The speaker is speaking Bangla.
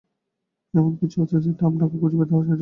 এমন কিছু আছে যেটা আম্পনাকে খুঁজে পেতে সাহায্য করবে?